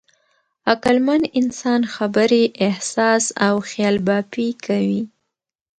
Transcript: عقلمن انسان خبرې، احساس او خیالبافي کوي.